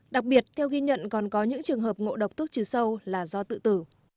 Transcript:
đặc biệt theo ghi nhận còn có những trường hợp ngộ độc thuốc trừ sâu là do tự tử